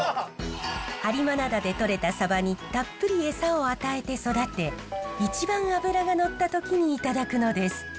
播磨灘でとれたサバにたっぷりエサを与えて育て一番脂がのった時にいただくのです。